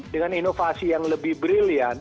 dengan inovasi yang lebih brilliant